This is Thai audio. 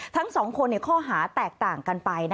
ทั้งสองคนข้อหาแตกต่างกันไป